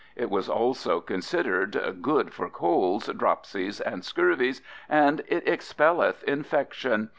It was also considered "good for colds, dropsies and scurvies and [it] expelleth infection.